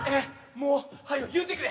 もうはよ言うてくれ！